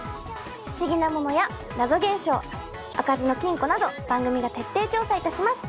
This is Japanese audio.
不思議なものや謎現象開かずの金庫など番組が徹底調査いたします。